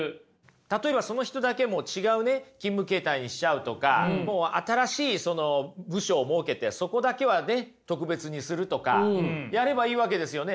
例えばその人だけもう違うね勤務形態にしちゃうとか新しい部署を設けてそこだけはね特別にするとかやればいいわけですよね。